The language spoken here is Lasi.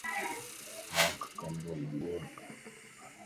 مانک ڪنڊو لڳو اَ